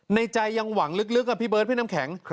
ในใจยังหวังลึกอะพี่เบิร์ดพี่น้ำแข็ง